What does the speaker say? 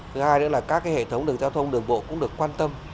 thứ hai nữa là các hệ thống đường giao thông đường bộ cũng được quan tâm